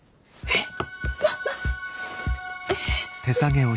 えっ。